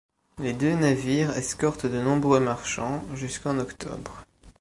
Les deux navires escortent de nombreux marchands, jusqu'en octobre.